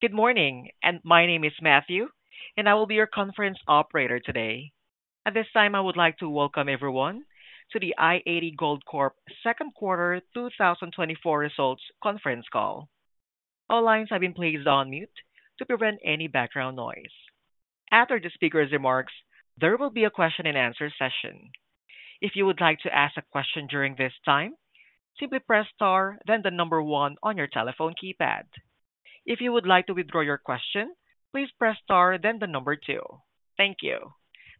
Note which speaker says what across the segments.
Speaker 1: Good morning, and my name is Matthew, and I will be your conference operator today. At this time, I would like to welcome everyone to the i-80 Gold Corp second quarter 2024 results conference call. All lines have been placed on mute to prevent any background noise. After the speaker's remarks, there will be a question and answer session. If you would like to ask a question during this time, simply press star, then one on your telephone keypad. If you would like to withdraw your question, please press star, then two. Thank you.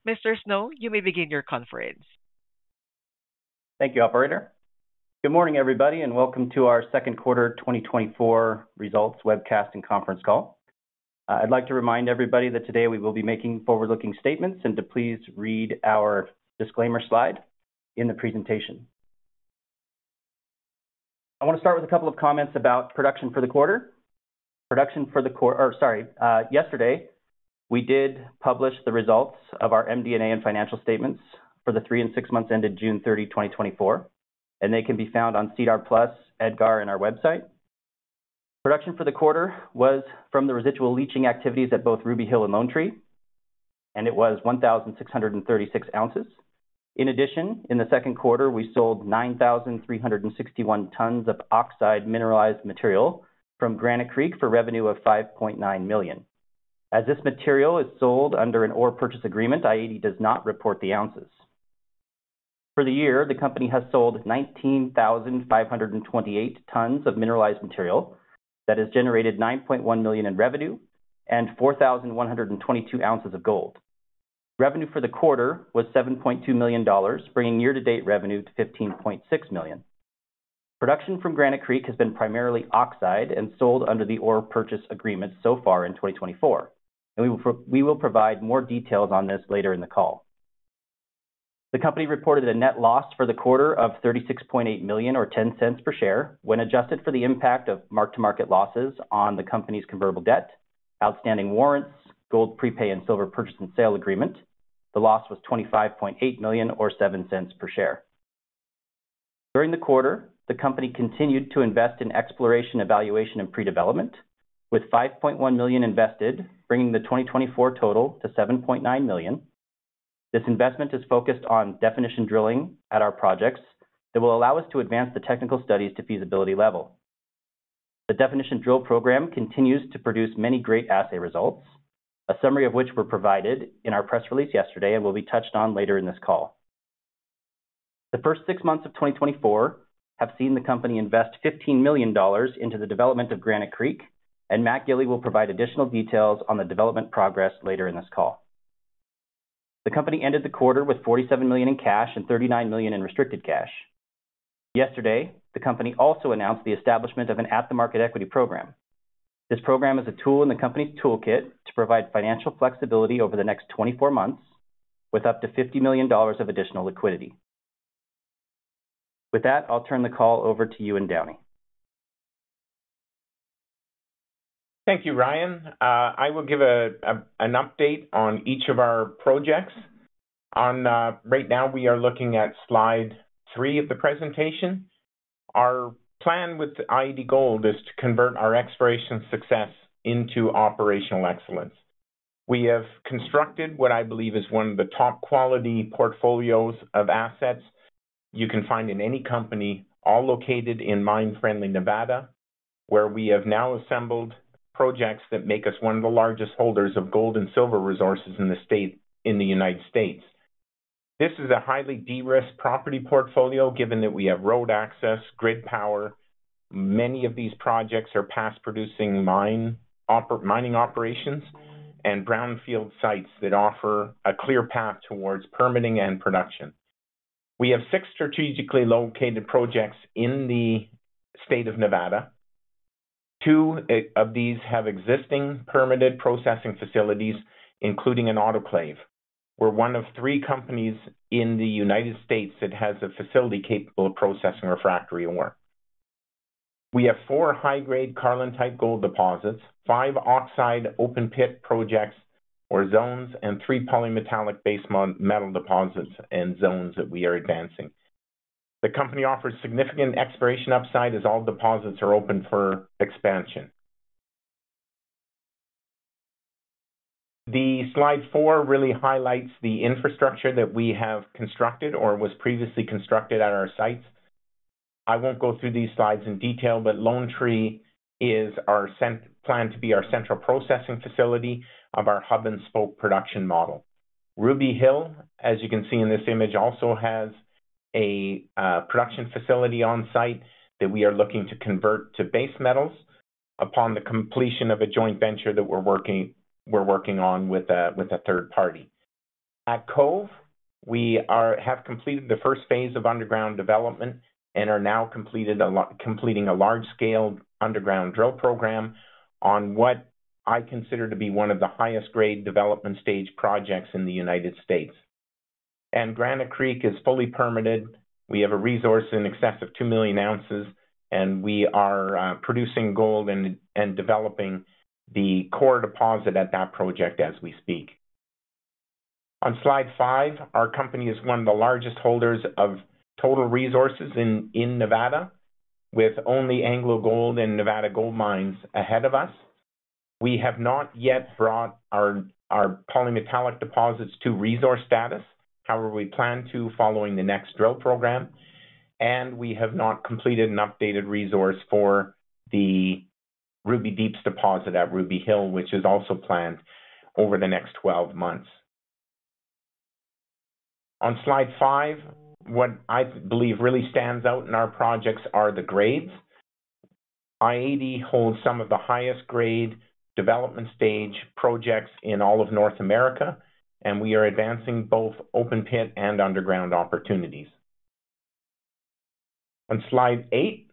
Speaker 1: Mr. Snow, you may begin your conference.
Speaker 2: Thank you, operator. Good morning, everybody, and welcome to our second quarter 2024 results webcast and conference call. I'd like to remind everybody that today we will be making forward-looking statements and to please read our disclaimer slide in the presentation. I want to start with a couple of comments about production for the quarter. Production for the quarter or sorry, yesterday, we did publish the results of our MD&A and financial statements for the three and six months ended June 30, 2024, and they can be found on SEDAR+, EDGAR, and our website. Production for the quarter was from the residual leaching activities at both Ruby Hill and Lone Tree, and it was 1,636 ounces. In addition, in the second quarter, we sold 9,361 tons of oxide mineralized material from Granite Creek for revenue of $5.9 million. As this material is sold under an ore purchase agreement, EDGAR does not report the ounces. For the year, the company has sold 19,528 tons of mineralized material that has generated $9.1 million in revenue and 4,122 ounces of gold. Revenue for the quarter was $7.2 million, bringing year-to-date revenue to $15.6 million. Production from Granite Creek has been primarily oxide and sold under the ore purchase agreement so far in 2024, and we will provide more details on this later in the call. The company reported a net loss for the quarter of $36.8 million, or $0.10 per share, when adjusted for the impact of mark-to-market losses on the company's convertible debt, outstanding warrants, gold prepay, and silver purchase and sale agreement. The loss was $25.8 million or $0.07 per share. During the quarter, the company continued to invest in exploration, evaluation, and pre-development, with $5.1 million invested, bringing the 2024 total to $7.9 million. This investment is focused on definition drilling at our projects that will allow us to advance the technical studies to feasibility level. The definition drill program continues to produce many great assay results, a summary of which were provided in our press release yesterday and will be touched on later in this call. The first six months of 2024 have seen the company invest $15 million into the development of Granite Creek, and Matt Gili will provide additional details on the development progress later in this call. The company ended the quarter with $47 million in cash and $39 million in restricted cash. Yesterday, the company also announced the establishment of an at-the-market equity program. This program is a tool in the company's toolkit to provide financial flexibility over the next 24 months, with up to $50 million of additional liquidity. With that, I'll turn the call over to Ewan Downie.
Speaker 3: Thank you, Ryan. I will give an update on each of our projects. Right now, we are looking at slide three of the presentation. Our plan with i-80 Gold is to convert our exploration success into operational excellence. We have constructed what I believe is one of the top quality portfolios of assets you can find in any company, all located in mine-friendly Nevada, where we have now assembled projects that make us one of the largest holders of gold and silver resources in the state, in the United States. This is a highly de-risked property portfolio, given that we have road access, grid power. Many of these projects are past producing mining operations and brownfield sites that offer a clear path towards permitting and production. We have six strategically located projects in the state of Nevada. Two of these have existing permitted processing facilities, including an autoclave. We're one of three companies in the United States that has a facility capable of processing refractory ore. We have four high-grade Carlin-type gold deposits, five oxide open pit projects or zones, and three polymetallic base metal deposits and zones that we are advancing. The company offers significant exploration upside, as all deposits are open for expansion. The slide four really highlights the infrastructure that we have constructed or was previously constructed at our sites. I won't go through these slides in detail, but Lone Tree is our planned to be our central processing facility of our hub and spoke production model. Ruby Hill, as you can see in this image, also has a production facility on site that we are looking to convert to base metals upon the completion of a joint venture that we're working, we're working on with a third party. At Cove, we have completed the first phase of underground development and are now completing a large-scale underground drill program on what I consider to be one of the highest grade development stage projects in the United States. Granite Creek is fully permitted. We have a resource in excess of 2 million ounces, and we are producing gold and developing the core deposit at that project as we speak. On slide five, our company is one of the largest holders of total resources in Nevada, with only AngloGold and Nevada Gold Mines ahead of us. We have not yet brought our polymetallic deposits to resource status. However, we plan to following the next drill program, and we have not completed an updated resource for the Ruby Deeps deposit at Ruby Hill, which is also planned over the next 12 months. On slide five, what I believe really stands out in our projects are the grades. i-80 holds some of the highest grade development stage projects in all of North America, and we are advancing both open pit and underground opportunities. On slide eight,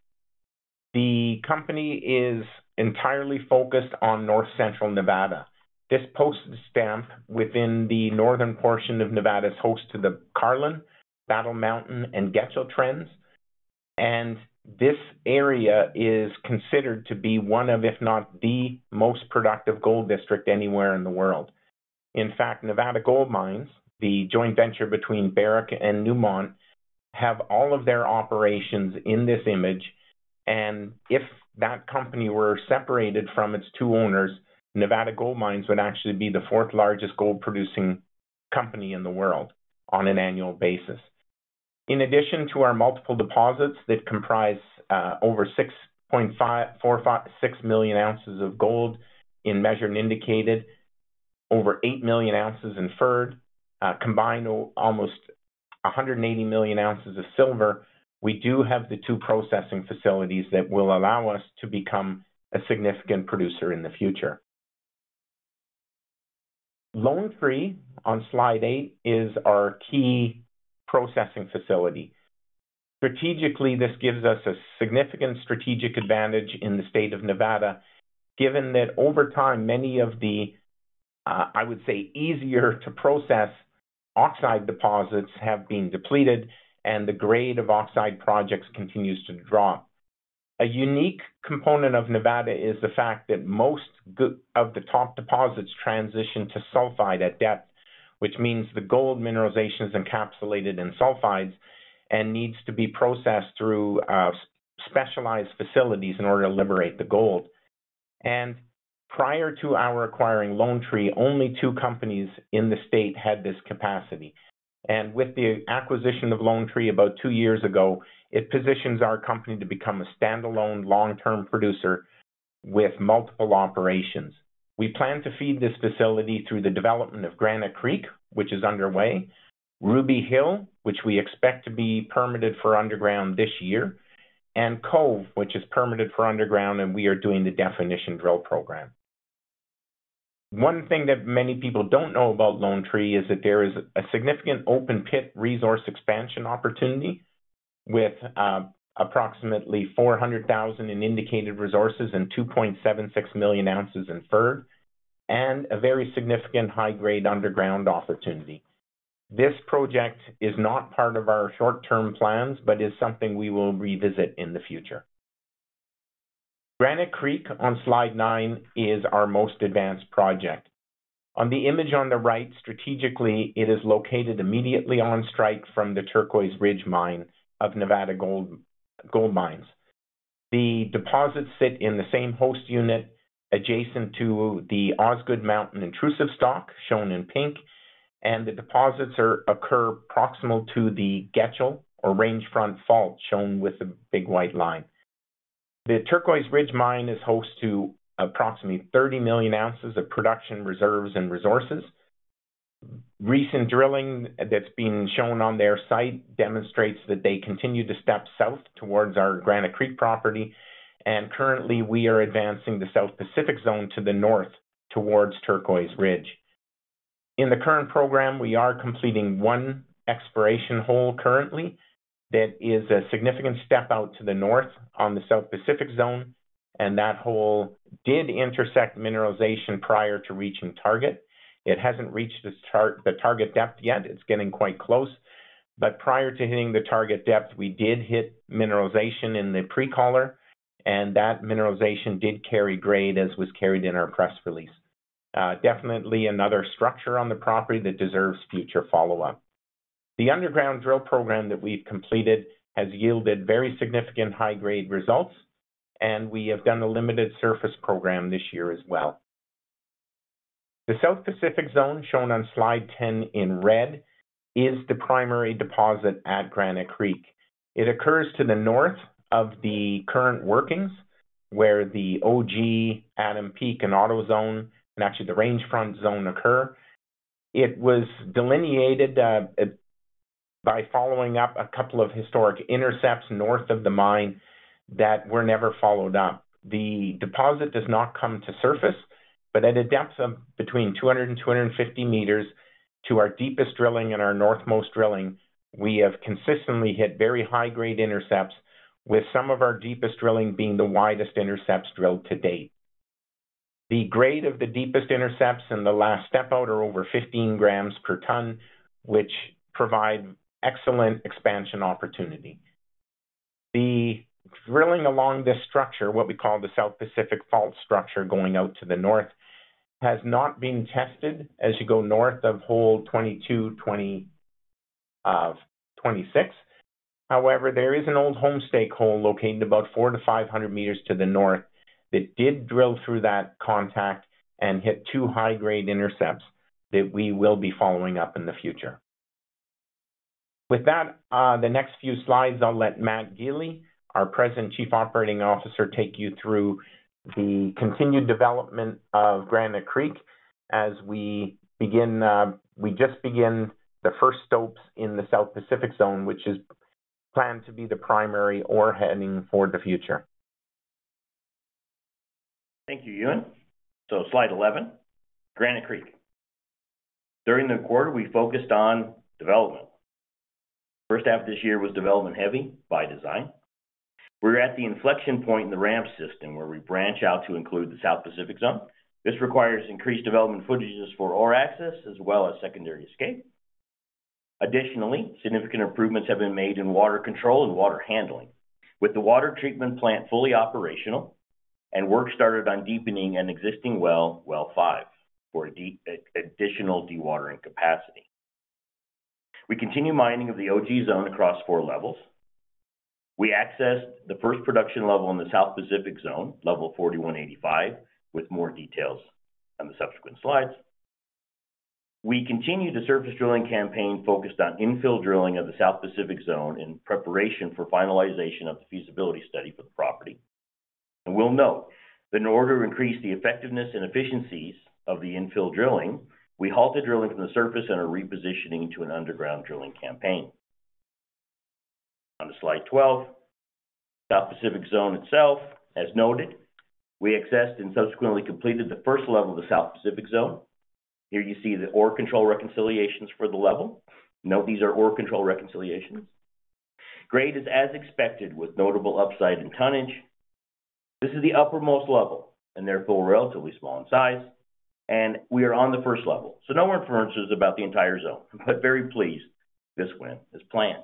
Speaker 3: the company is entirely focused on North Central Nevada. This postage stamp within the northern portion of Nevada is host to the Carlin, Battle Mountain, and Getchell Trends, and this area is considered to be one of, if not the most productive gold district anywhere in the world. In fact, Nevada Gold Mines, the joint venture between Barrick and Newmont, have all of their operations in this image, and if that company were separated from its two owners, Nevada Gold Mines would actually be the fourth largest gold producing company in the world on an annual basis. In addition to our multiple deposits that comprise over 456 million ounces of gold in measured and indicated, over 8 million ounces inferred, combined almost 180 million ounces of silver, we do have the two processing facilities that will allow us to become a significant producer in the future. Lone Tree, on slide eight, is our key processing facility. Strategically, this gives us a significant strategic advantage in the state of Nevada, given that over time, many of the, I would say, easier to process oxide deposits have been depleted and the grade of oxide projects continues to drop. A unique component of Nevada is the fact that most of the top deposits transition to sulfide at depth, which means the gold mineralization is encapsulated in sulfides and needs to be processed through, specialized facilities in order to liberate the gold. Prior to our acquiring Lone Tree, only two companies in the state had this capacity. With the acquisition of Lone Tree about two years ago, it positions our company to become a standalone long-term producer with multiple operations. We plan to feed this facility through the development of Granite Creek, which is underway, Ruby Hill, which we expect to be permitted for underground this year, and Cove, which is permitted for underground, and we are doing the definition drill program. One thing that many people don't know about Lone Tree is that there is a significant open pit resource expansion opportunity with approximately 400,000 in indicated resources and 2.76 million ounces inferred, and a very significant high-grade underground opportunity. This project is not part of our short-term plans, but is something we will revisit in the future. Granite Creek, on slide nine, is our most advanced project. On the image on the right, strategically, it is located immediately on strike from the Turquoise Ridge Mine of Nevada Gold Mines. The deposits sit in the same host unit adjacent to the Osgood Mountain Intrusive Stock, shown in pink, and the deposits occur proximal to the Getchell or Range Front fault, shown with a big white line. The Turquoise Ridge Mine is host to approximately 30 million ounces of production reserves and resources. Recent drilling that's been shown on their site demonstrates that they continue to step south towards our Granite Creek property, and currently, we are advancing the South Pacific Zone to the north towards Turquoise Ridge. In the current program, we are completing one exploration hole currently. That is a significant step out to the north on the South Pacific Zone, and that hole did intersect mineralization prior to reaching target. It hasn't reached its the target depth yet. It's getting quite close, but prior to hitting the target depth, we did hit mineralization in the pre-collar, and that mineralization did carry grade, as was carried in our press release. Definitely another structure on the property that deserves future follow-up. The underground drill program that we've completed has yielded very significant high-grade results, and we have done a limited surface program this year as well. The South Pacific Zone, shown on slide 10 in red, is the primary deposit at Granite Creek. It occurs to the north of the current workings, where the Ogee, Adam Peak, and Otto Zone, and actually the Range Front Zone occur. It was delineated by following up a couple of historic intercepts north of the mine that were never followed up. The deposit does not come to surface, but at a depth of between 200 and 250 meters to our deepest drilling and our north-most drilling, we have consistently hit very high-grade intercepts, with some of our deepest drilling being the widest intercepts drilled to date. The grade of the deepest intercepts in the last step out are over 15 grams per ton, which provide excellent expansion opportunity. The drilling along this structure, what we call the South Pacific fault structure, going out to the north, has not been tested as you go north of Hole 22-26. However, there is an old Homestake hole located about 400 to 500 meters to the north that did drill through that contact and hit two high-grade intercepts that we will be following up in the future. With that, the next few slides, I'll let Matt Gili, our President and Chief Operating Officer, take you through the continued development of Granite Creek as we just begin the first stopes in the South Pacific Zone, which is planned to be the primary ore heading for the future.
Speaker 4: Thank you, Ewan. So slide 11, Granite Creek. During the quarter, we focused on development. First half of this year was development-heavy by design. We're at the inflection point in the ramp system, where we branch out to include the South Pacific Zone. This requires increased development footages for ore access as well as secondary escape. Additionally, significant improvements have been made in water control and water handling, with the water treatment plant fully operational and work started on deepening an existing well, well five, for additional dewatering capacity. We continue mining of the Ogee Zone across four levels. We accessed the first production level in the South Pacific Zone, level 4185, with more details on the subsequent slides. We continued the surface drilling campaign focused on infill drilling of the South Pacific Zone in preparation for finalization of the feasibility study for the property. We'll note that in order to increase the effectiveness and efficiencies of the infill drilling, we halted drilling from the surface and are repositioning to an underground drilling campaign. On to slide 12, South Pacific Zone itself. As noted, we accessed and subsequently completed the first level of the South Pacific Zone. Here you see the ore control reconciliations for the level. Note, these are ore control reconciliations. Grade is as expected, with notable upside in tonnage. This is the uppermost level and therefore relatively small in size, and we are on the first level, so no inferences about the entire zone, but very pleased this went as planned.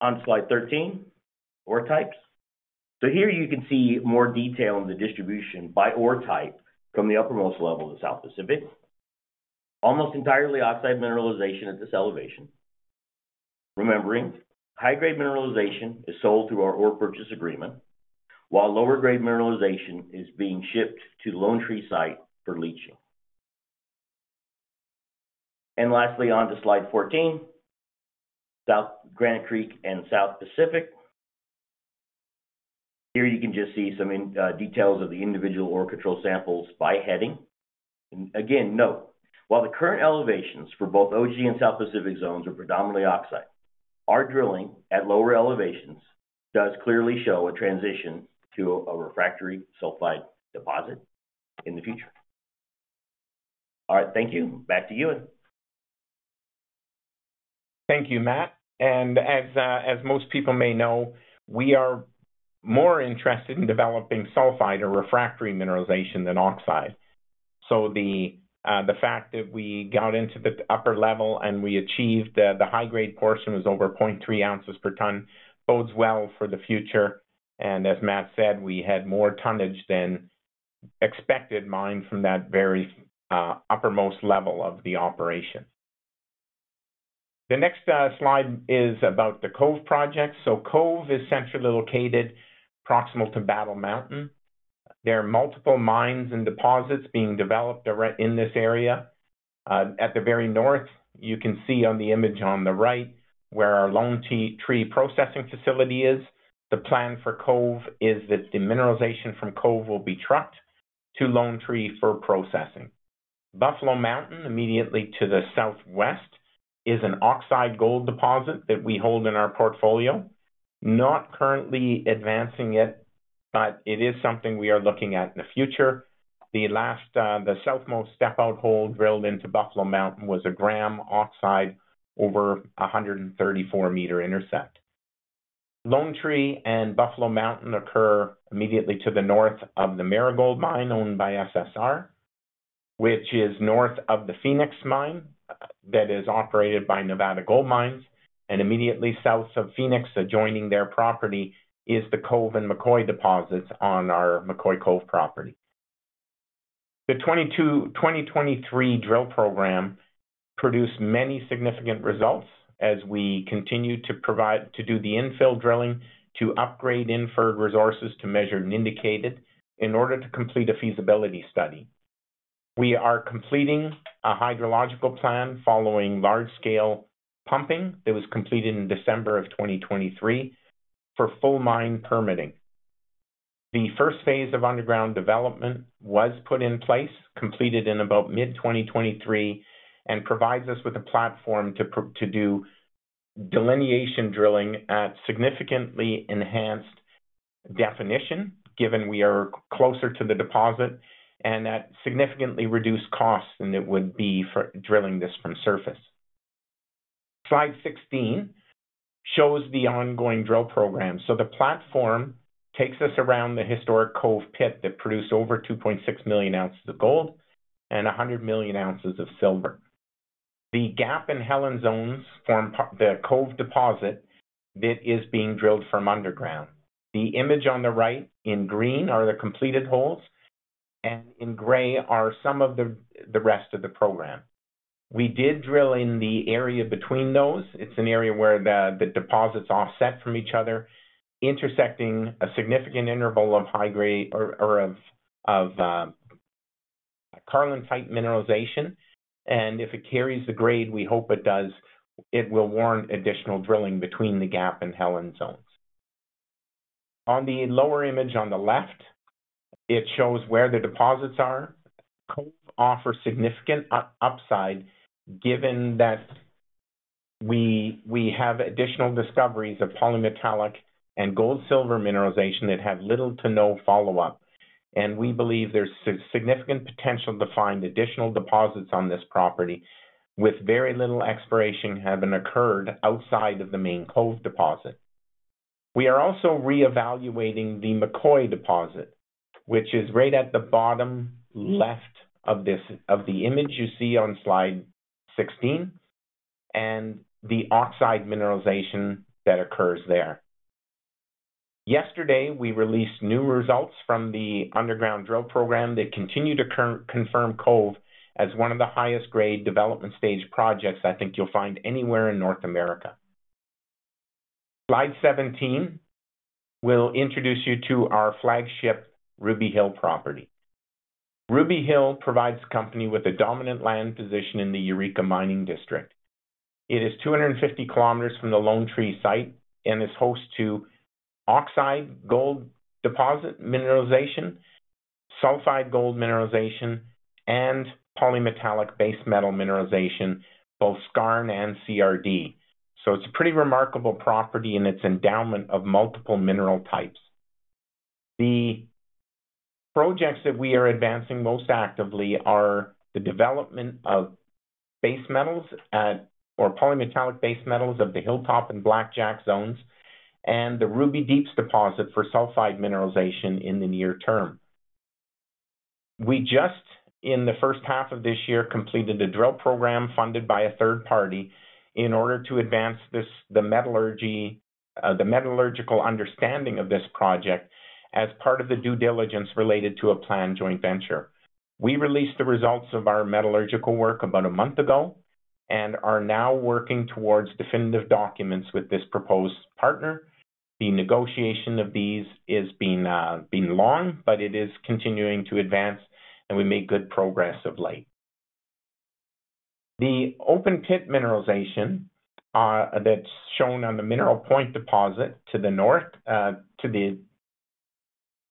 Speaker 4: On slide 13, ore types. So here you can see more detail on the distribution by ore type from the uppermost level of the South Pacific. Almost entirely oxide mineralization at this elevation. Remembering, high-grade mineralization is sold through our ore purchase agreement, while lower-grade mineralization is being shipped to the Lone Tree site for leaching. Lastly, on to slide 14, South Granite Creek and South Pacific. Here you can just see some in details of the individual ore control samples by heading. Again, note, while the current elevations for both Ogee and South Pacific zones are predominantly oxide, our drilling at lower elevations does clearly show a transition to a refractory sulfide deposit in the future. All right, thank you. Back to Ewan.
Speaker 3: Thank you, Matt. And as most people may know, we are more interested in developing sulfide or refractory mineralization than oxide. So the fact that we got into the upper level and we achieved the high-grade portion was over 0.3 ounces per ton, bodes well for the future. And as Matt said, we had more tonnage than expected mined from that very uppermost level of the operation. The next slide is about the Cove Project. So Cove is centrally located, proximal to Battle Mountain. There are multiple mines and deposits being developed directly in this area. At the very north, you can see on the image on the right where our Lone Tree processing facility is. The plan for Cove is that the mineralization from Cove will be trucked to Lone Tree for processing. Buffalo Mountain, immediately to the southwest, is an oxide gold deposit that we hold in our portfolio. Not currently advancing it, but it is something we are looking at in the future. The last, the southernmost step-out hole drilled into Buffalo Mountain was 1 gram oxide over a 134-meter intercept. Lone Tree and Buffalo Mountain occur immediately to the north of the Marigold mine, owned by SSR, which is north of the Phoenix mine, that is operated by Nevada Gold Mines, and immediately south of Phoenix, adjoining their property, is the Cove and McCoy deposits on our McCoy-Cove property. The 2022, 2023 drill program produced many significant results as we continued to do the infill drilling, to upgrade inferred resources to measured and indicated in order to complete a feasibility study. We are completing a hydrological plan following large-scale pumping that was completed in December of 2023 for full mine permitting. The first phase of underground development was put in place, completed in about mid-2023, and provides us with a platform to do delineation drilling at significantly enhanced definition, given we are closer to the deposit and at significantly reduced costs than it would be for drilling this from surface. Slide 16 shows the ongoing drill program. So the platform takes us around the historic Cove pit that produced over 2.6 million ounces of gold and 100 million ounces of silver. The Gap and Helen Zones form part- the Cove deposit that is being drilled from underground. The image on the right in green are the completed holes, and in gray are some of the rest of the program. We did drill in the area between those. It's an area where the deposits offset from each other, intersecting a significant interval of high-grade Carlin-type mineralization. And if it carries the grade we hope it does, it will warrant additional drilling between the Gap and Helen zones. On the lower image on the left, it shows where the deposits are. Cove offers significant upside, given that we have additional discoveries of polymetallic and gold-silver mineralization that have little to no follow-up. And we believe there's significant potential to find additional deposits on this property, with very little exploration having occurred outside of the main Cove deposit. We are also re-evaluating the McCoy deposit, which is right at the bottom left of the image you see on slide 16, and the oxide mineralization that occurs there. Yesterday, we released new results from the underground drill program that continue to confirm Cove as one of the highest grade development stage projects I think you'll find anywhere in North America. Slide 17, we'll introduce you to our flagship Ruby Hill property. Ruby Hill provides the company with a dominant land position in the Eureka Mining District. It is 250 kilometers from the Lone Tree site and is host to oxide gold deposit mineralization, sulfide gold mineralization, and polymetallic base metal mineralization, both skarn and CRD. So it's a pretty remarkable property in its endowment of multiple mineral types. The projects that we are advancing most actively are the development of base metals at, or polymetallic base metals of the Hilltop and Blackjack zones, and the Ruby Deeps deposit for sulfide mineralization in the near term. We just, in the first half of this year, completed a drill program funded by a third party in order to advance this, the metallurgy, the metallurgical understanding of this project as part of the due diligence related to a planned joint venture. We released the results of our metallurgical work about a month ago and are now working towards definitive documents with this proposed partner. The negotiation of these is being, been long, but it is continuing to advance, and we make good progress of late. The open pit mineralization, that's shown on the Mineral Point deposit to the north,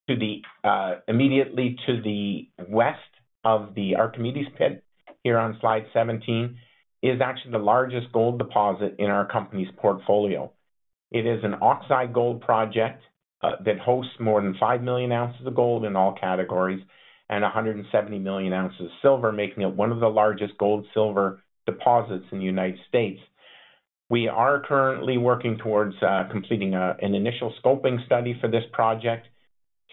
Speaker 3: immediately to the west of the Archimedes Pit here on slide 17, is actually the largest gold deposit in our company's portfolio. It is an oxide gold project that hosts more than 5 million ounces of gold in all categories and 170 million ounces of silver, making it one of the largest gold-silver deposits in the United States. We are currently working towards completing an initial scoping study for this project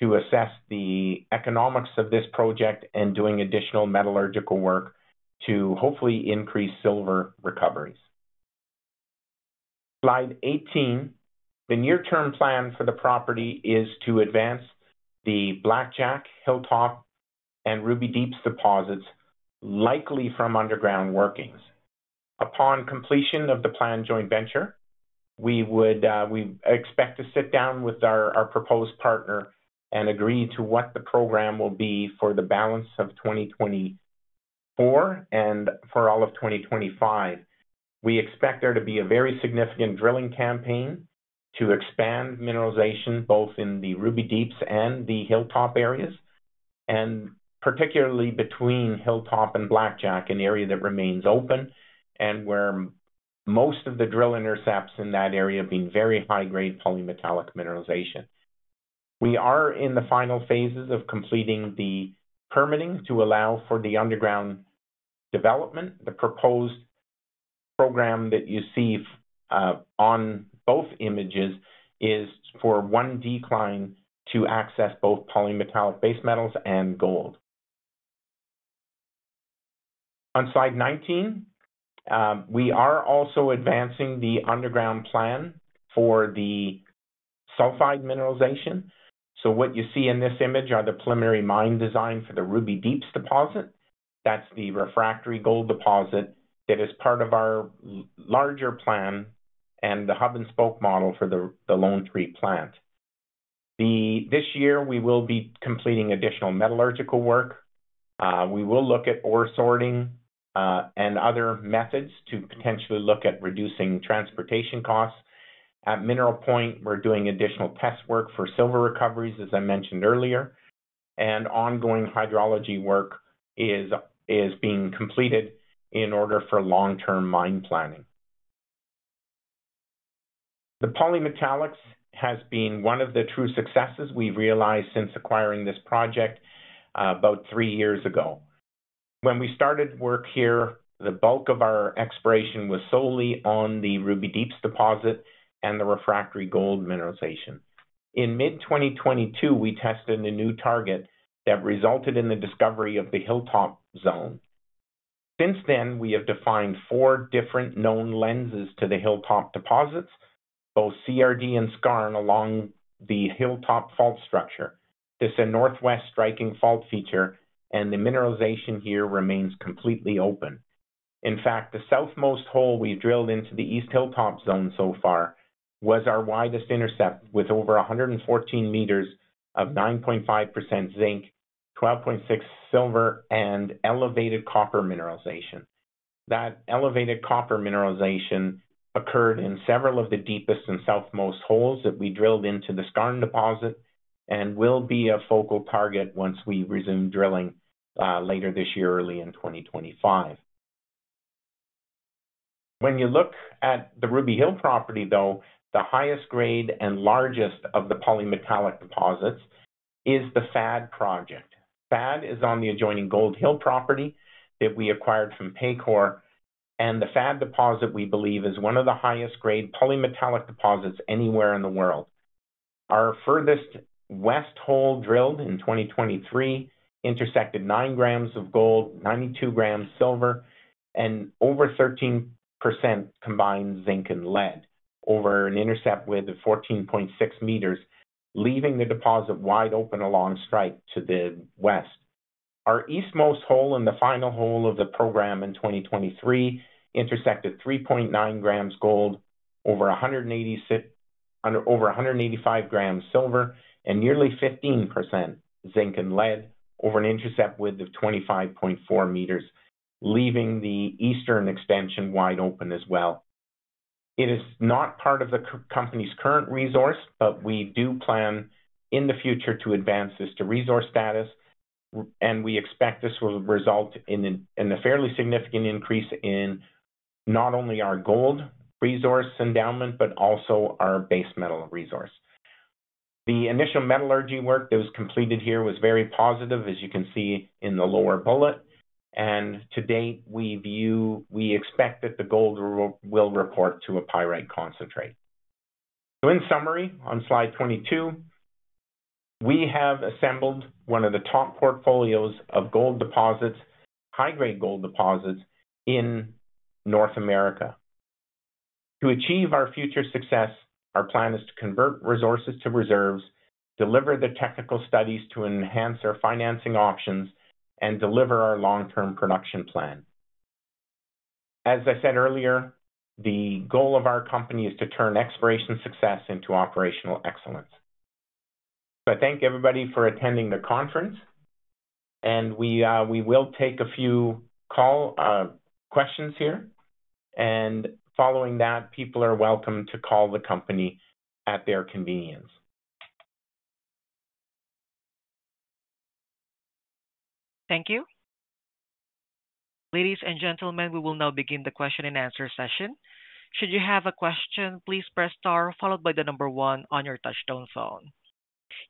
Speaker 3: to assess the economics of this project and doing additional metallurgical work to hopefully increase silver recoveries. Slide 18, the near-term plan for the property is to advance the Blackjack, Hilltop, and Ruby Deeps deposits, likely from underground workings. Upon completion of the planned joint venture, we would expect to sit down with our proposed partner and agree to what the program will be for the balance of 2024 and for all of 2025. We expect there to be a very significant drilling campaign to expand mineralization, both in the Ruby Deeps and the Hilltop areas, and particularly between Hilltop and Blackjack, an area that remains open and where most of the drill intercepts in that area being very high-grade polymetallic mineralization. We are in the final phases of completing the permitting to allow for the underground development. The proposed program that you see on both images is for one decline to access both polymetallic base metals and gold. On slide 19, we are also advancing the underground plan for the sulfide mineralization. So what you see in this image are the preliminary mine design for the Ruby Deeps deposit. That's the refractory gold deposit that is part of our larger plan and the hub-and-spoke model for the Lone Tree plant. This year, we will be completing additional metallurgical work. We will look at ore sorting, and other methods to potentially look at reducing transportation costs. At Mineral Point, we're doing additional test work for silver recoveries, as I mentioned earlier, and ongoing hydrology work is being completed in order for long-term mine planning. The polymetallics has been one of the true successes we've realized since acquiring this project about three years ago. When we started work here, the bulk of our exploration was solely on the Ruby Deeps deposit and the refractory gold mineralization.... In mid-2022, we tested a new target that resulted in the discovery of the Hilltop zone. Since then, we have defined four different known lenses to the Hilltop deposits, both CRD and skarn along the Hilltop fault structure. This is a northwest striking fault feature, and the mineralization here remains completely open. In fact, the southernmost hole we drilled into the East Hilltop zone so far was our widest intercept, with over 114 meters of 9.5% zinc, 12.6 silver, and elevated copper mineralization. That elevated copper mineralization occurred in several of the deepest and southernmost holes that we drilled into the skarn deposit and will be a focal target once we resume drilling later this year, early in 2025. When you look at the Ruby Hill property, though, the highest grade and largest of the polymetallic deposits is the FAD project. FAD is on the adjoining Gold Hill property that we acquired from Paycore, and the FAD deposit, we believe, is one of the highest grade polymetallic deposits anywhere in the world. Our furthest west hole, drilled in 2023, intersected 9 grams of gold, 92 grams silver, and over 13% combined zinc and lead over an intercept width of 14.6 meters, leaving the deposit wide open along strike to the west. Our eastmost hole, and the final hole of the program in 2023, intersected 3.9 grams gold, over 185 grams silver, and nearly 15% zinc and lead over an intercept width of 25.4 meters, leaving the eastern expansion wide open as well. It is not part of the company's current resource, but we do plan in the future to advance this to resource status, and we expect this will result in a fairly significant increase in not only our gold resource endowment, but also our base metal resource. The initial metallurgy work that was completed here was very positive, as you can see in the lower bullet, and to date, we view, we expect that the gold will report to a pyrite concentrate. So in summary, on slide 22, we have assembled one of the top portfolios of gold deposits, high-grade gold deposits in North America. To achieve our future success, our plan is to convert resources to reserves, deliver the technical studies to enhance our financing options, and deliver our long-term production plan. As I said earlier, the goal of our company is to turn exploration success into operational excellence. So I thank everybody for attending the conference, and we will take a few questions here, and following that, people are welcome to call the company at their convenience.
Speaker 1: Thank you. Ladies and gentlemen, we will now begin the question-and-answer session. Should you have a question, please press star followed by the number 1 on your touchtone phone.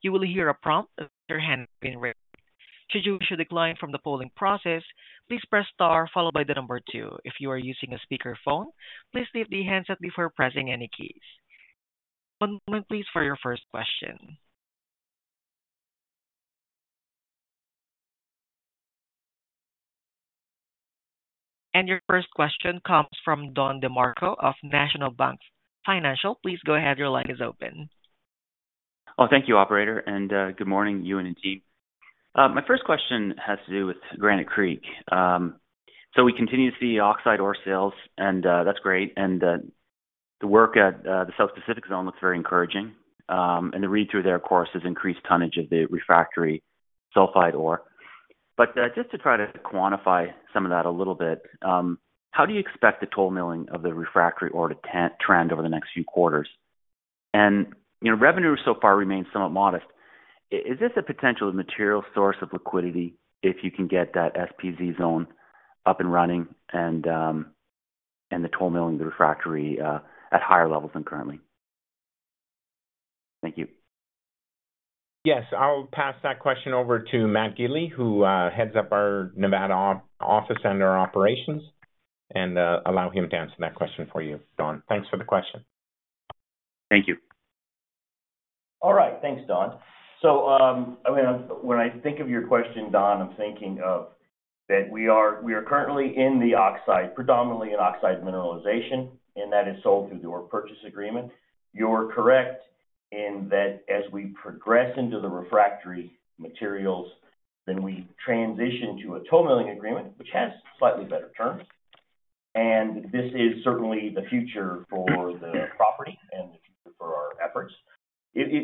Speaker 1: You will hear a prompt that your hand has been raised. Should you wish to decline from the polling process, please press star followed by the number 2. If you are using a speakerphone, please leave the handset before pressing any keys. One moment, please, for your first question. Your first question comes from Don DeMarco of National Bank Financial. Please go ahead. Your line is open.
Speaker 5: Oh, thank you, operator, and good morning, you and the team. My first question has to do with Granite Creek. So we continue to see oxide ore sales, and that's great. And the work at the South Pacific Zone looks very encouraging. And the read-through there, of course, has increased tonnage of the refractory sulfide ore. But just to try to quantify some of that a little bit, how do you expect the toll milling of the refractory ore to trend over the next few quarters? And you know, revenue so far remains somewhat modest. Is this a potential material source of liquidity if you can get that SPZ zone up and running and the toll milling the refractory at higher levels than currently? Thank you.
Speaker 3: Yes, I'll pass that question over to Matt Gili, who heads up our Nevada office and our operations, and allow him to answer that question for you, Don. Thanks for the question.
Speaker 5: Thank you.
Speaker 4: All right. Thanks, Don. So, I mean, when I think of your question, Don, I'm thinking of that we are, we are currently in the oxide, predominantly in oxide mineralization, and that is sold through the ore purchase agreement. You're correct in that as we progress into the refractory materials, then we transition to a toll milling agreement, which has slightly better terms, and this is certainly the future for the property and the future for our efforts. The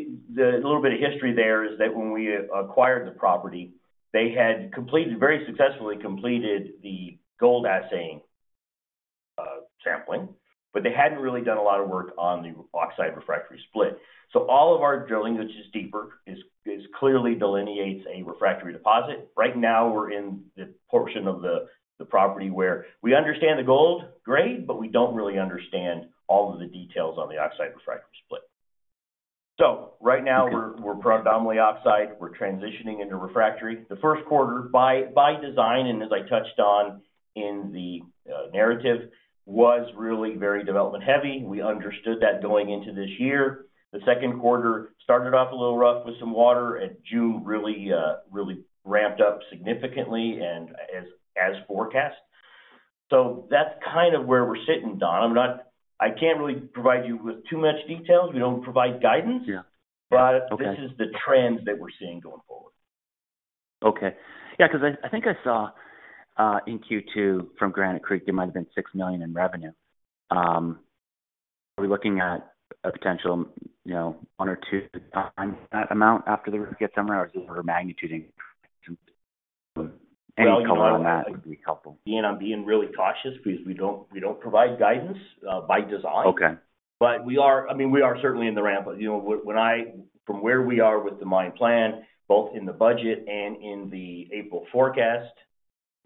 Speaker 4: little bit of history there is that when we acquired the property, they had completed, very successfully completed the gold assaying, sampling, but they hadn't really done a lot of work on the oxide refractory split. So all of our drilling, which is deeper, clearly delineates a refractory deposit. Right now, we're in the portion of the property where we understand the gold grade, but we don't really understand all of the details on the oxide refractory split. So right now, we're predominantly oxide. We're transitioning into refractory. The first quarter, by design, and as I touched on in the narrative, was really very development-heavy. We understood that going into this year. The second quarter started off a little rough with some water, and June really ramped up significantly and as forecast. So that's kind of where we're sitting, Don. I'm not. I can't really provide you with too much details. We don't provide guidance.
Speaker 5: Yeah.
Speaker 4: But-
Speaker 5: Okay.
Speaker 4: This is the trends that we're seeing going forward.
Speaker 5: Okay. Yeah, 'cause I think I saw in Q2 from Granite Creek, it might have been $6 million in revenue. Are we looking at a potential, you know, one or two times that amount after this summer, or is it over? Any color on that would be helpful.
Speaker 4: I'm being really cautious because we don't, we don't provide guidance, by design.
Speaker 5: Okay.
Speaker 4: But we are, I mean, we are certainly in the ramp. But, you know, from where we are with the mine plan, both in the budget and in the April forecast,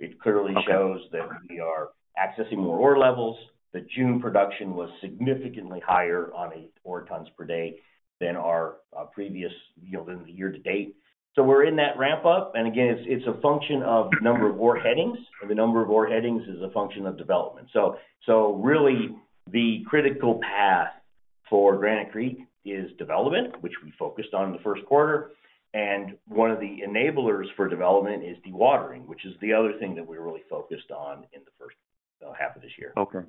Speaker 4: it clearly shows-
Speaker 5: Okay
Speaker 4: That we are accessing more ore levels. The June production was significantly higher on a ore tons per day than our, previous, you know, than the year to date. So we're in that ramp up, and again, it's a function of the number of ore headings, and the number of ore headings is a function of development. So really, the critical path for Granite Creek is development, which we focused on in the first quarter, and one of the enablers for development is dewatering, which is the other thing that we're really focused on in the first half of this year.
Speaker 5: Okay.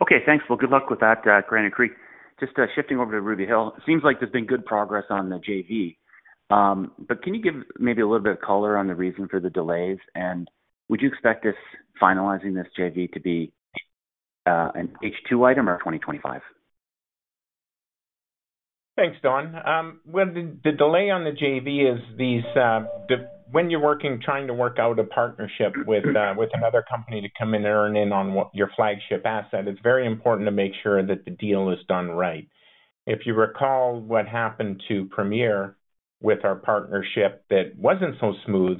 Speaker 5: Okay, thanks. Well, good luck with that, Granite Creek. Just shifting over to Ruby Hill. It seems like there's been good progress on the JV. But can you give maybe a little bit of color on the reason for the delays, and would you expect this finalizing this JV to be an H2 item or 2025?
Speaker 3: Thanks, Don. Well, the delay on the JV is when you're working, trying to work out a partnership with another company to come in and earn in on what your flagship asset, it's very important to make sure that the deal is done right. If you recall what happened to Premier with our partnership, that wasn't so smooth,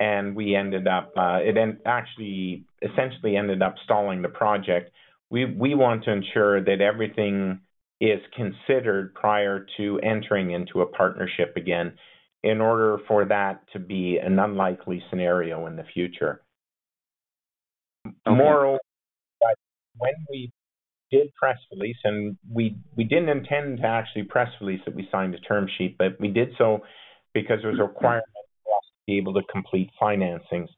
Speaker 3: and we ended up it then actually essentially ended up stalling the project. We want to ensure that everything is considered prior to entering into a partnership again, in order for that to be an unlikely scenario in the future.
Speaker 5: Okay.
Speaker 3: Moreover, when we did press release, and we didn't intend to actually press release that we signed a term sheet, but we did so because it was a requirement for us to be able to complete financings,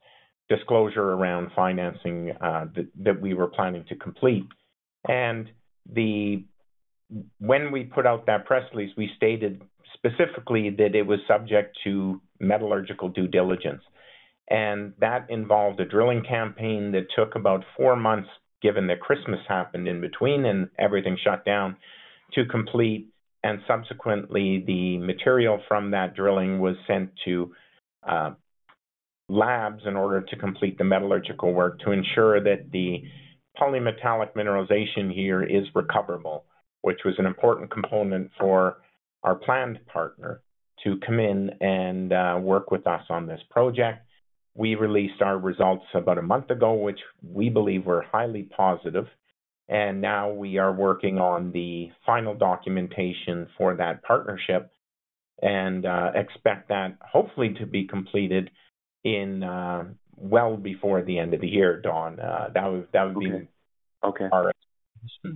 Speaker 3: disclosure around financing, that we were planning to complete. And when we put out that press release, we stated specifically that it was subject to metallurgical due diligence, and that involved a drilling campaign that took about four months, given that Christmas happened in between and everything shut down, to complete. And subsequently, the material from that drilling was sent to labs in order to complete the metallurgical work, to ensure that the polymetallic mineralization here is recoverable, which was an important component for our planned partner to come in and work with us on this project. We released our results about a month ago, which we believe were highly positive, and now we are working on the final documentation for that partnership and expect that hopefully to be completed in, well, before the end of the year, Don. That would be-
Speaker 5: Okay.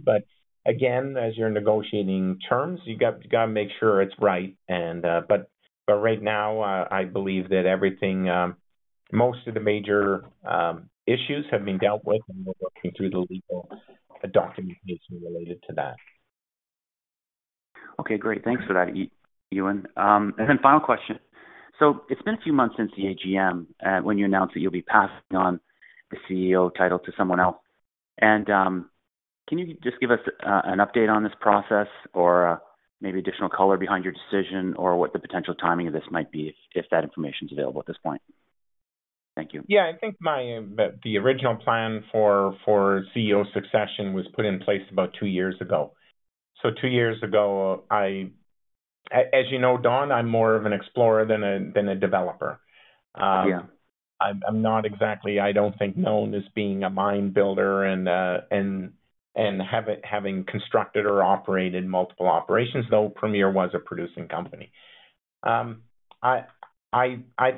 Speaker 3: But again, as you're negotiating terms, you gotta make sure it's right. And, but, but right now, I believe that everything, most of the major issues have been dealt with, and we're working through the legal documentation related to that.
Speaker 5: Okay, great. Thanks for that, Ewan. And then final question: So it's been a few months since the AGM, when you announced that you'll be passing on the CEO title to someone else. And can you just give us an update on this process or maybe additional color behind your decision, or what the potential timing of this might be, if that information is available at this point? Thank you.
Speaker 3: Yeah, I think the original plan for CEO succession was put in place about two years ago. So two years ago, as you know, Don, I'm more of an explorer than a developer.
Speaker 5: Uh, yeah.
Speaker 3: I'm not exactly, I don't think, known as being a mine builder and having constructed or operated multiple operations, though Premier was a producing company. I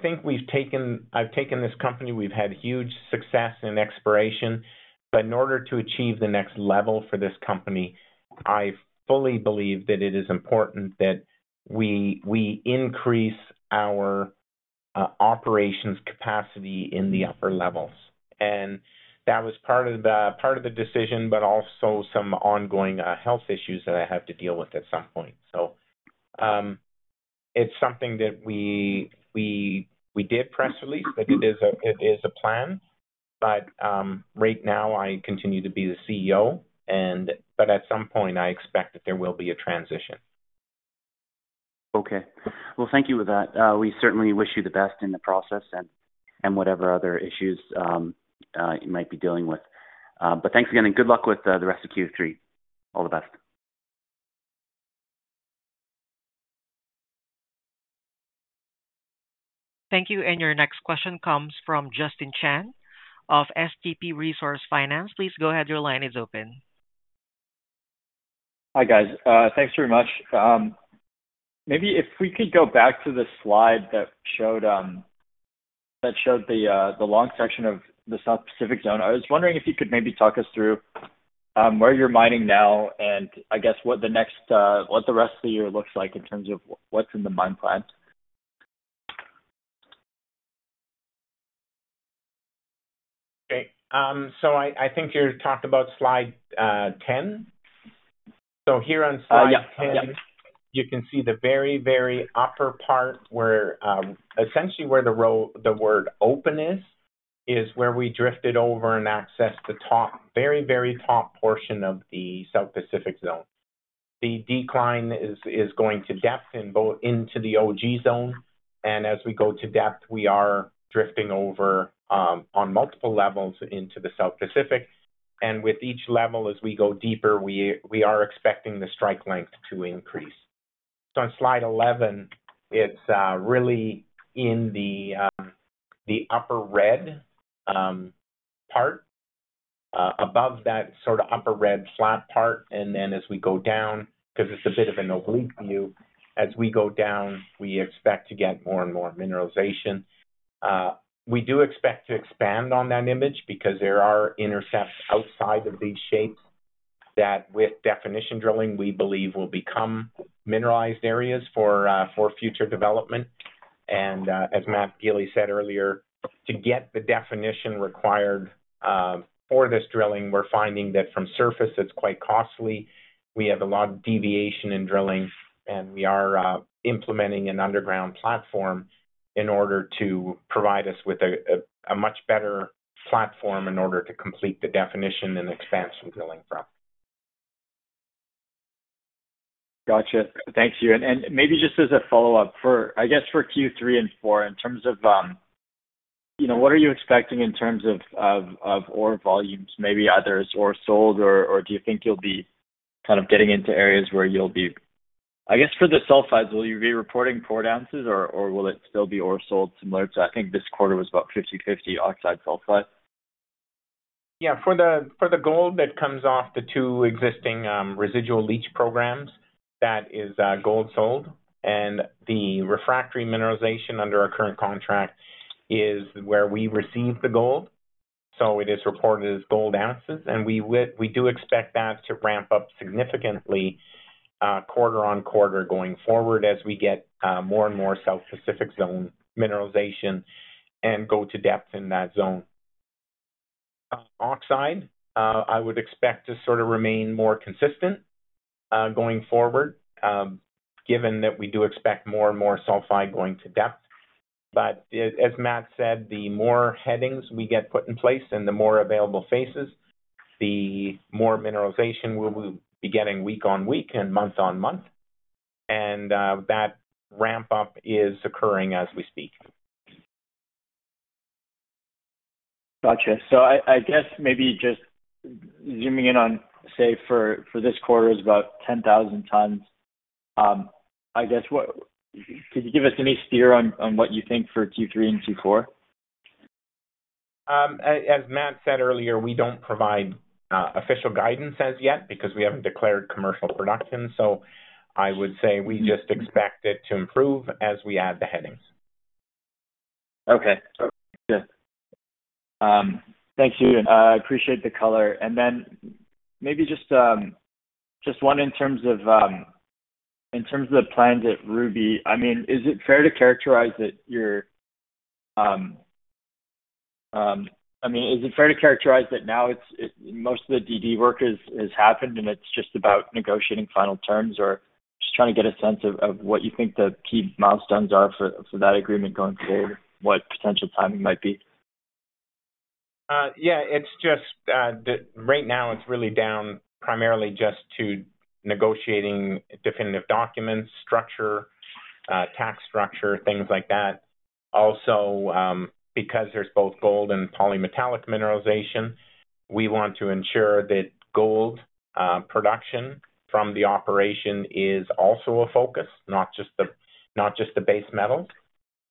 Speaker 3: think we've taken, I've taken this company, we've had huge success in exploration, but in order to achieve the next level for this company, I fully believe that it is important that we increase our operations capacity in the upper levels. And that was part of the decision, but also some ongoing health issues that I have to deal with at some point. So, it's something that we did press release, but it is a plan. But right now I continue to be the CEO, and at some point, I expect that there will be a transition.
Speaker 5: Okay. Well, thank you for that. We certainly wish you the best in the process and whatever other issues you might be dealing with. But thanks again, and good luck with the rest of Q3. All the best.
Speaker 1: Thank you. Your next question comes from Justin Chan of SCP Resource Finance. Please go ahead. Your line is open.
Speaker 6: Hi, guys. Thanks very much. Maybe if we could go back to the slide that showed the long section of the South Pacific Zone. I was wondering if you could maybe talk us through where you're mining now, and I guess what the rest of the year looks like in terms of what's in the mine plan.
Speaker 3: Okay. So I think you're talking about slide ten. So here on slide ten-
Speaker 6: Yep, yep.
Speaker 3: you can see the very, very upper part where, essentially, where the word open is, is where we drifted over and accessed the top, very, very top portion of the South Pacific Zone. The decline is going to depth in both into the Ogee Zone, and as we go to depth, we are drifting over on multiple levels into the South Pacific, and with each level, as we go deeper, we are expecting the strike length to increase. So on slide 11, it's really in the upper red part above that sort of upper red flat part. And then, as we go down, because it's a bit of an oblique view, as we go down, we expect to get more and more mineralization. We do expect to expand on that image because there are intercepts outside of these shapes that, with definition drilling, we believe will become mineralized areas for future development. As Matt Gili said earlier, to get the definition required for this drilling, we're finding that from surface, it's quite costly. We have a lot of deviation in drilling, and we are implementing an underground platform in order to provide us with a much better platform in order to complete the definition and expanse we're drilling from.
Speaker 6: Gotcha. Thank you. And, and maybe just as a follow-up, for, I guess, for Q3 and Q4, in terms of, you know, what are you expecting in terms of, of, of ore volumes, maybe others, ore sold, or, or do you think you'll be kind of getting into areas where you'll be. I guess, for the sulfides, will you be reporting poured ounces, or, or will it still be ore sold similar to, I think this quarter was about 50/50 oxide sulfide?
Speaker 3: Yeah. For the gold that comes off the two existing residual leach programs, that is gold sold, and the refractory mineralization under our current contract is where we receive the gold. So it is reported as gold ounces, and we do expect that to ramp up significantly quarter-on-quarter, going forward, as we get more and more South Pacific Zone mineralization and go to depth in that zone. Oxide I would expect to sort of remain more consistent going forward, given that we do expect more and more sulfide going to depth. But as Matt said, the more headings we get put in place and the more available faces, the more mineralization we will be getting week-on-week and month-on-month. And that ramp up is occurring as we speak.
Speaker 6: Gotcha. So I guess maybe just zooming in on, say, for this quarter is about 10,000 tons. I guess, what... Could you give us any steer on what you think for Q3 and Q4?
Speaker 3: As Matt said earlier, we don't provide official guidance as yet because we haven't declared commercial production, so I would say we just expect it to improve as we add the headings.
Speaker 6: Okay. Good. Thank you, and I appreciate the color. And then maybe just, just one in terms of, in terms of the plans at Ruby. I mean, is it fair to characterize that you're, I mean, is it fair to characterize that now it's, it- most of the DD work is, is happened, and it's just about negotiating final terms, or just trying to get a sense of, of what you think the key milestones are for, for that agreement going forward, what potential timing might be?
Speaker 3: Yeah, it's just right now it's really down primarily just to negotiating definitive documents, structure, tax structure, things like that. Also, because there's both gold and polymetallic mineralization, we want to ensure that gold production from the operation is also a focus, not just the base metals.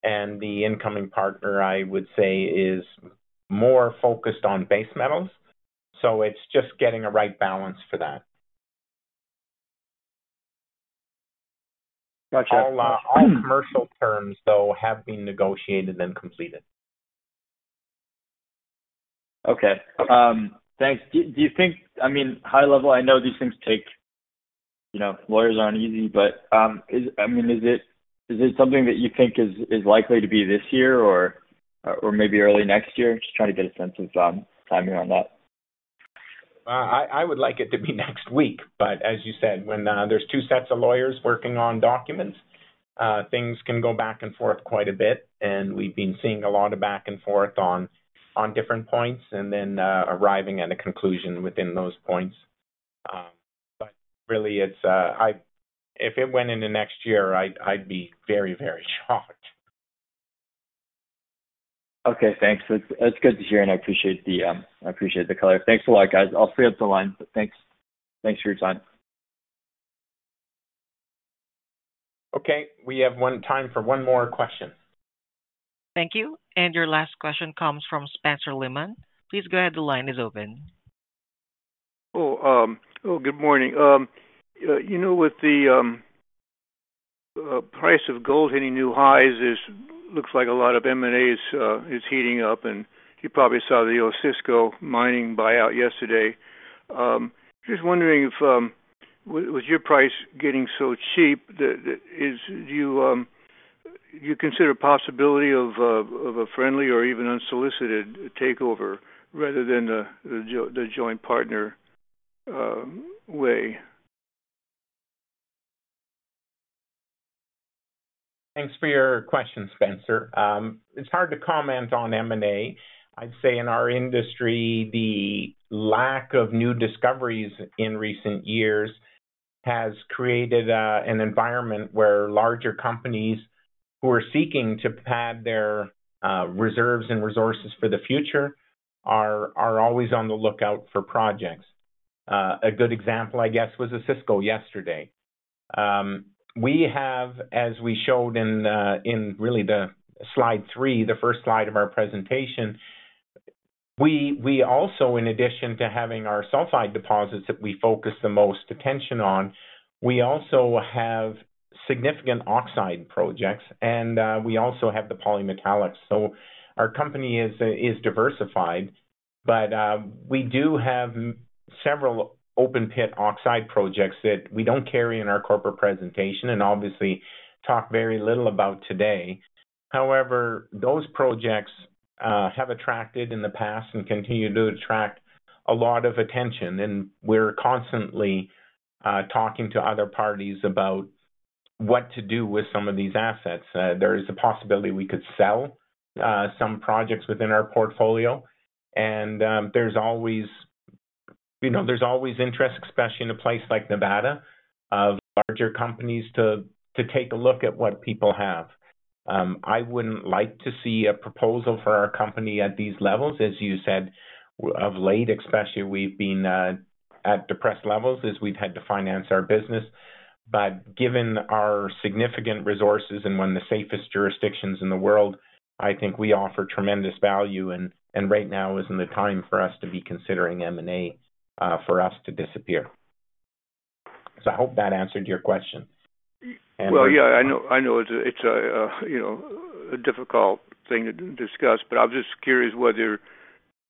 Speaker 3: And the incoming partner, I would say, is more focused on base metals, so it's just getting the right balance for that.
Speaker 6: Gotcha.
Speaker 3: All commercial terms, though, have been negotiated and completed.
Speaker 6: Okay. Thanks. Do you think, I mean, high level, I know these things take, you know, lawyers aren't easy, but, is it something that you think is likely to be this year or maybe early next year? Just trying to get a sense of timing on that.
Speaker 3: I would like it to be next week, but as you said, when there's two sets of lawyers working on documents, things can go back and forth quite a bit, and we've been seeing a lot of back and forth on different points and then arriving at a conclusion within those points. But really, it's if it went into next year, I'd be very, very shocked.
Speaker 6: Okay, thanks. It's good to hear, and I appreciate the color. Thanks a lot, guys. I'll free up the line. Thanks. Thanks for your time.
Speaker 3: Okay, we have one time for one more question.
Speaker 1: Thank you. And your last question comes from Spencer Lehmann. Please go ahead. The line is open.
Speaker 7: Oh, good morning. You know, with the price of gold hitting new highs, it looks like a lot of M&As is heating up, and you probably saw the Osisko Mining buyout yesterday. Just wondering if, with your price getting so cheap, do you consider a possibility of a friendly or even unsolicited takeover rather than the joint partner way?
Speaker 3: Thanks for your question, Spencer. It's hard to comment on M&A. I'd say in our industry, the lack of new discoveries in recent years has created an environment where larger companies who are seeking to pad their reserves and resources for the future are always on the lookout for projects. A good example, I guess, was Osisko yesterday. We have, as we showed in really the slide three, the first slide of our presentation, we also, in addition to having our sulfide deposits that we focus the most attention on, we also have significant oxide projects, and we also have the polymetallics. So our company is diversified, but we do have several open pit oxide projects that we don't carry in our corporate presentation and obviously talk very little about today. However, those projects have attracted in the past and continue to attract a lot of attention, and we're constantly talking to other parties about what to do with some of these assets. There is a possibility we could sell some projects within our portfolio. And there's always, you know, there's always interest, especially in a place like Nevada, of larger companies to take a look at what people have. I wouldn't like to see a proposal for our company at these levels, as you said, of late, especially we've been at depressed levels as we've had to finance our business. But given our significant resources and one of the safest jurisdictions in the world, I think we offer tremendous value, and right now isn't the time for us to be considering M&A for us to disappear. So, I hope that answered your question.
Speaker 7: Well, yeah, I know, I know. It's a, it's a, you know, a difficult thing to discuss, but I was just curious whether,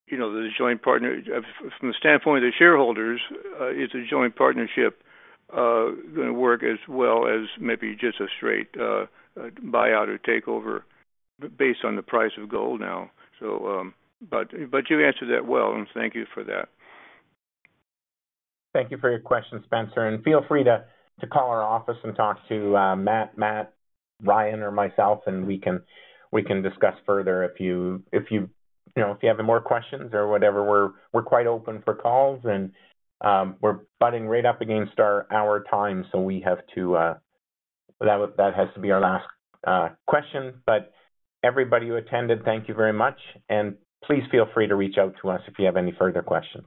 Speaker 7: you know, the joint partner. From the standpoint of the shareholders, is a joint partnership gonna work as well as maybe just a straight buyout or takeover based on the price of gold now, so. But you answered that well, and thank you for that.
Speaker 3: Thank you for your question, Spencer, and feel free to call our office and talk to Matt, Ryan, or myself, and we can discuss further if you, you know, if you have more questions or whatever. We're quite open for calls, and we're butting right up against our time, so we have to. That has to be our last question. But everybody who attended, thank you very much, and please feel free to reach out to us if you have any further questions.